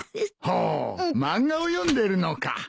ほう漫画を読んでるのか。